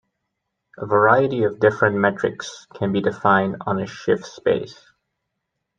A variety of different metrics can be defined on a shift space.